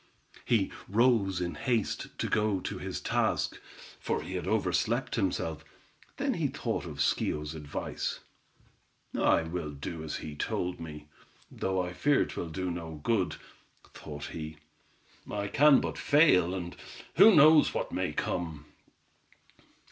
He rose in haste to go to his task, for he had overslept himself; then he thought of Schio's advice. "I will do as he told me, though I fear 'twill do no good," thought he. "I can but fail, and who knows what may come.